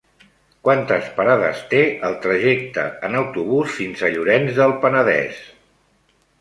Quantes parades té el trajecte en autobús fins a Llorenç del Penedès?